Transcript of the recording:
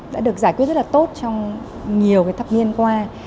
đã được giải quyết rất là tốt trong nhiều thập niên qua